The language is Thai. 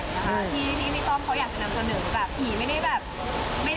ที่พี่ต้อมเขาอยากสนับสนุน